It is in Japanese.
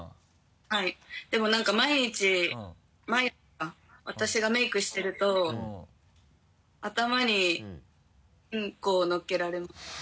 でも何か毎日毎朝私がメイクしてると頭にんこをのっけられます。